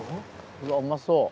うわうまそう。